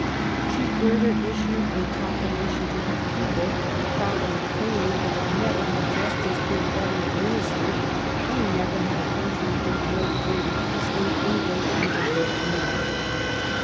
She further issued a proclamation to her people, proudly claiming that never had justice been better administered, and never had a country enjoyed greater peace than England under her rule.